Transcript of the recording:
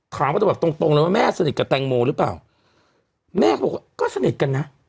มาแบบตรงตรงเลยว่าแม่สนิทกับแตงโมหรือเปล่าแม่เขาบอกว่าก็สนิทกันนะ